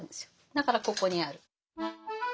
だからここにある。